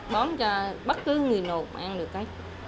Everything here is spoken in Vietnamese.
bón cho bất cứ người nộp ăn được cái